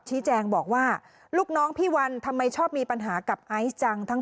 ชี้แจงบอกว่าลูกน้องพี่วันทำไมชอบมีปัญหากับไอซ์จัง